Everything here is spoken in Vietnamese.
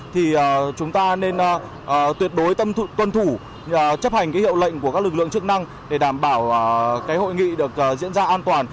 thì chúng ta nên tuyệt đối tuân thủ chấp hành cái hiệu lệnh của các lực lượng chức năng để đảm bảo hội nghị được diễn ra an toàn